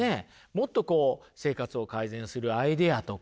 もっとこう生活を改善するアイデアとか。